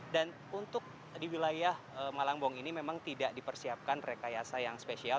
untuk di wilayah malangbong ini memang tidak dipersiapkan rekayasa yang spesial